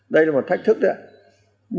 đây là một thách thức đấy ạ